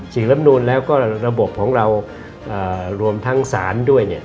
ฉีกรัฐมนุษย์แล้วก็ระบบของเรารวมทั้งสารด้วย